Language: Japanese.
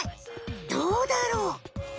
どうだろう？